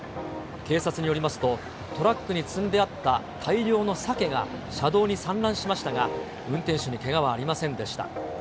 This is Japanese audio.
警察によりますと、トラックに積んであった大量のサケが車道に散乱しましたが、運転手にけがはありませんでした。